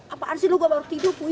apaan sih saya baru tidur